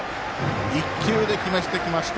１球で決めてきました。